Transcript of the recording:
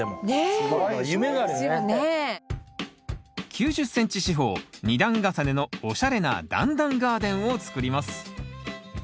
９０ｃｍ四方２段重ねのおしゃれな段々ガーデンを作ります。